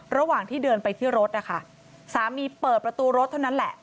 ระหว่างที่เดินไปที่รถนะคะสามีเปิดประตูรถเท่านั้นแหละ